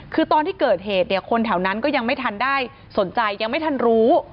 คือตอนที่เกิดเหตุเนี่ยคนแถวนั้นก็ยังไม่ทันได้สนใจยังไม่ทันรู้